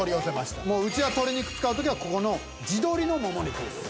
もううちは鶏肉使う時はここの地鶏のもも肉です。